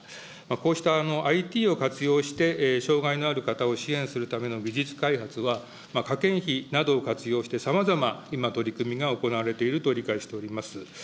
こうしたＩＴを活用して、障害のある方を支援するための技術開発は、科研費などを活用してさまざま今、取り組みが行われていると理解しております。